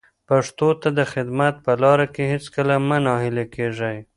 پښتو ته د خدمت په لاره کې هیڅکله مه ناهیلي کېږئ.